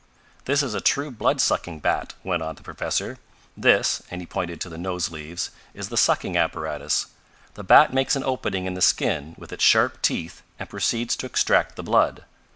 "This is a true blood sucking bat," went on the professor. "This," and he pointed to the nose leaves, "is the sucking apparatus. The bat makes an opening in the skin with its sharp teeth and proceeds to extract the blood.